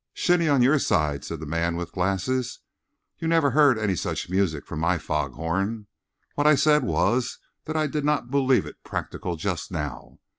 "Shinny on your own side!" said the man with glasses. "You never heard any such music from my foghorn. What I said was that I did not believe it practicable just now.